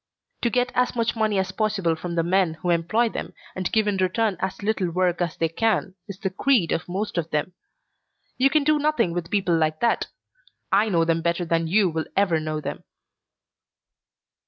To get as much money as possible from the men who employ them and give in return as little work as they can, is the creed of most of them. You can do nothing with people like that. I know them better than you will ever know them."